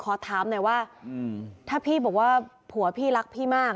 ขอถามหน่อยว่าถ้าพี่บอกว่าผัวพี่รักพี่มาก